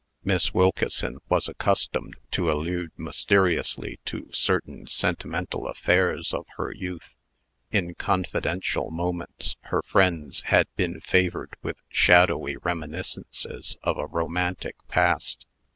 Miss Wilkeson was accustomed to allude mysteriously to certain sentimental affairs of her youth. In confidential moments, her friends had been favored with shadowy reminiscences of a romantic past.